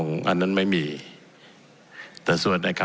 ผมจะขออนุญาตให้ท่านอาจารย์วิทยุซึ่งรู้เรื่องกฎหมายดีเป็นผู้ชี้แจงนะครับ